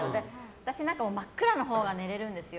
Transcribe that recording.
私、真っ暗なほうが寝れるんですよ。